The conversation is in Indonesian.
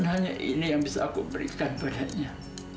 dan hanya ini yang bisa aku berikan padanya